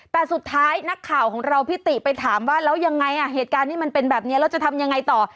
แต่สุดท้ายนักข่าวของเราพิติไปถามว่าแล้วยังไงอ่ะเหตุการณ์นี้มันเป็นแบบนี้แล้วจะทำยังไงต่อ